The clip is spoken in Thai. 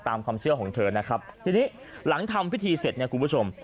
ตามความเชื่อของเธอนะครับทีนี้หลังทำพิธีเสร็จเนี่ยคุณผู้ชม